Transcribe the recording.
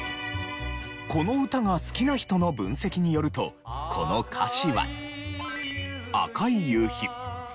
この歌が好きな人の分析によるとこの歌詞は「赤い夕陽」